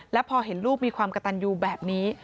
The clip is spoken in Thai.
และพอเห็นลูกมีความกระตันยูแบบนี้